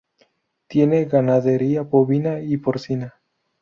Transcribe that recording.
Tiene ganadería bovina y porcina.